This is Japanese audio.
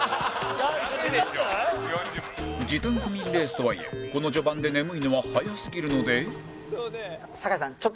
時短不眠レースとはいえこの序盤で眠いのは早すぎるので